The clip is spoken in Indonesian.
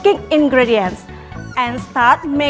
dan mulai buat hidangan kamu bersama